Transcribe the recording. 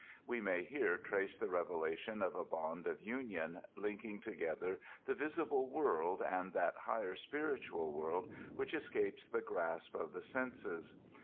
We may here trace the revela tion of a bond of union, linking together the visible world and that higher spiritual world which escapes the grasp ci the senses.